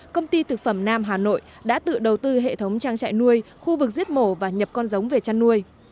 công ty thực phẩm nam hà nội đã tự đầu tư hệ thống trang trại nuôi khu vực giết mổ và nhập con giống về chăn nuôi